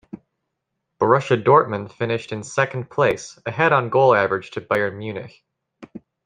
Borussia Dortmund finished in second place, ahead on goal average to Bayern Munich.